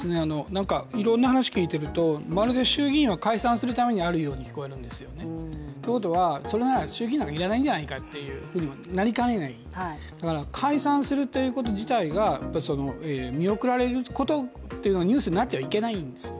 いろんな話を聞いていると、まるで衆議院は解散するためにあるように聞こえるんですよね。ということはそれなら衆議院なんて要らないんじゃないか、だから解散するということ自体が見送られることがニュースになってはいけないんです。